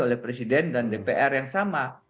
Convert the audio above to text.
oleh presiden dan dpr yang sama